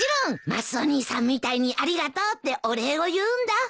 マスオ兄さんみたいにありがとうってお礼を言うんだ。